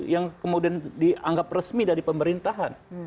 yang kemudian dianggap resmi dari pemerintahan